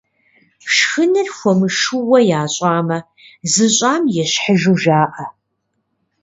Шхыныр хуэмышууэ ящӀамэ, зыщӀам ещхьыжу жаӀэ.